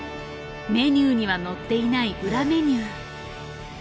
メニューには載っていない裏メニュー。